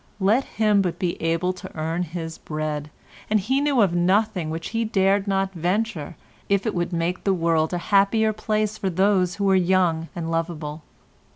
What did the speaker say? Let him but be able to earn his bread, and he knew of nothing which he dared not venture if it would make the world a happier place for those who were young and loveable.